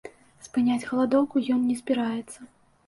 Спыняць галадоўку ён не збіраецца.